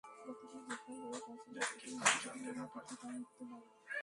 গতকাল বুধবার ভোরে কক্সবাজার সদর হাসপাতালে নেওয়ার পথে তাঁর মৃত্যু হয়।